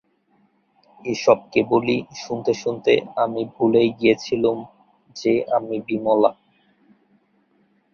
এই-সব কেবলই শুনতে শুনতে আমি ভুলে গিয়েছিলুম যে, আমি বিমলা।